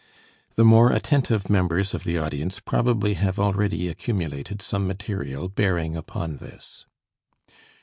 The more attentive members of the audience probably have already accumulated some material bearing upon this.